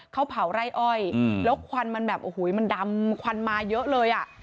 เขาเผาไร่อ้อยแล้วควันมันแบบโอ้โหมันดำควันมาเยอะเลยอ่ะ